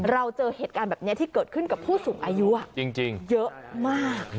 เราเจอเหตุการณ์แบบนี้ที่เกิดขึ้นกับผู้สูงอายุเยอะมาก